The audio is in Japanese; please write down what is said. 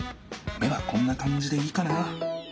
目はこんなかんじでいいかな。